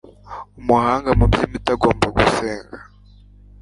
umuhanga mu by imiti agomba gusenga